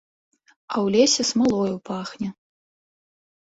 А ў лесе смалою пахне.